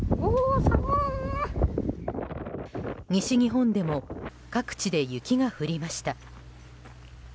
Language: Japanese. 西日本でも各地で雪が降りました。